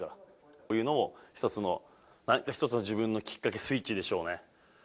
こういうのを１つの自分のきっかけ、スイッチでしょうね。